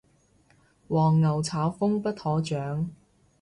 黃牛炒風不可長